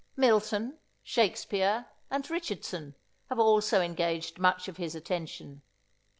Milton, Shakespear, and Richardson, have also engaged much of his attention.